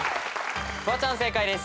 フワちゃん正解です。